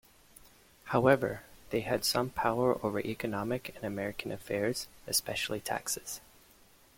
However, they had some power over economic and American affairs, especially taxes.